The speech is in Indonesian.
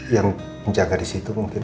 yang menjaga di situ mungkin